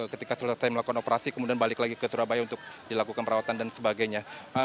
ketika selesai melakukan operasi kemudian balik lagi ke surabaya untuk dilakukan perawatan dan sebagainya